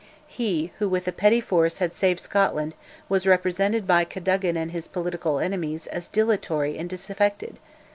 He, who with a petty force had saved Scotland, was represented by Cadogan and by his political enemies as dilatory and disaffected!